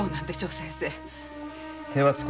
先生。